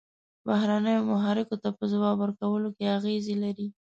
بهرنیو محرکو ته په ځواب ورکولو کې اغیزې لري.